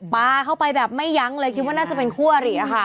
ปลาเข้าไปแบบไม่ยั้งเลยคิดว่าน่าจะเป็นคู่อริค่ะ